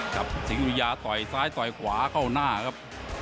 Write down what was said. สิงหุยาต่อยซ้ายต่อยขวาเข้าหน้าครับ